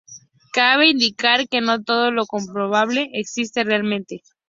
Cabe indicar que no todo lo comprobable existe realmente.